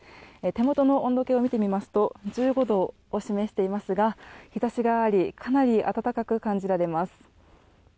手元の温度計を見てみますと１５度を示していますが日差しがありかなり暖かく感じられます。